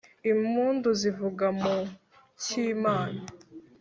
impundu zivuga mu cy' imana